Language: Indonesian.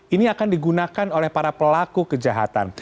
ini akan digunakan oleh para pelaku kejahatan